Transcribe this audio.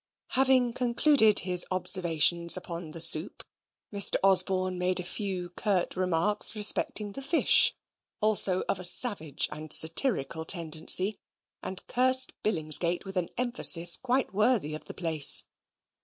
Having concluded his observations upon the soup, Mr. Osborne made a few curt remarks respecting the fish, also of a savage and satirical tendency, and cursed Billingsgate with an emphasis quite worthy of the place.